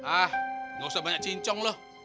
ah nggak usah banyak cincong loh